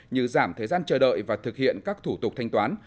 như giảm thời gian chờ đợi và thực hiện các thủ tục thanh toán